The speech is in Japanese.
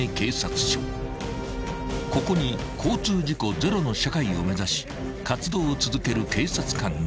［ここに交通事故ゼロの社会を目指し活動を続ける警察官がいる］